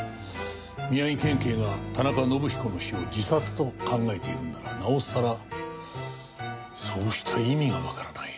宮城県警が田中伸彦の死を自殺と考えているのならなおさらそうした意味がわからない。